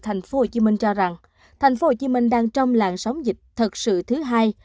tp hcm cho rằng tp hcm đang trong làn sóng dịch thật sự thứ hai